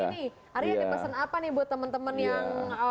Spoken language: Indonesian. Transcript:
arya ada pesan apa nih buat temen temen yang mungkin punya pengalaman